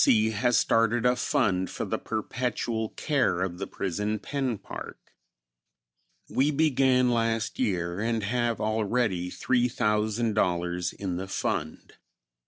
C. has started a fund for the perpetual care of the Prison Pen Park. We began last year and have already $3,000 in the fund.